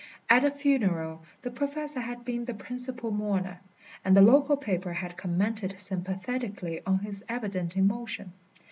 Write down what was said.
At the funeral the Professor had been the principal mourner, and the local paper had commented sympathetically on his evident emotion.